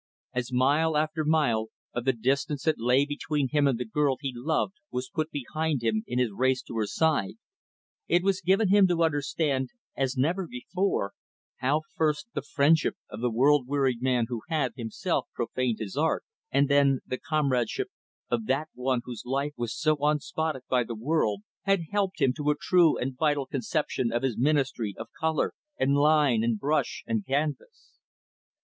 As mile after mile of the distance that lay between him and the girl he loved was put behind him in his race to her side, it was given him to understand as never before how, first the friendship of the world wearied man who had, himself, profaned his art; and then, the comradeship of that one whose life was so unspotted by the world; had helped him to a true and vital conception of his ministry of color and line and brush and canvas.